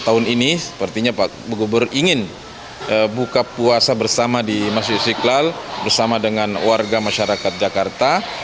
tahun ini sepertinya pak gubernur ingin buka puasa bersama di masjid istiqlal bersama dengan warga masyarakat jakarta